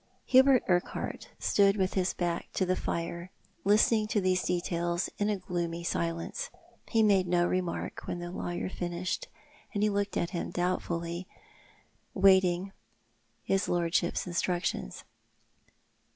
Hubert Urquhart stood with his back to the fire, listening to these details in a gloomy silence. He made no remark when the lawyer finished, and looked at him doubtfully, waiting his lordship's instructions.